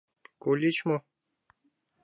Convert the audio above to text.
Кольыч мо?